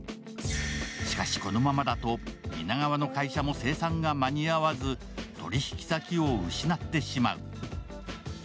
しかし、このままだと皆川の会社も生産が間に合わず取引先を失ってしまう。